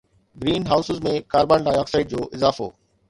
green houses ۾ carbon dioxide جو اضافو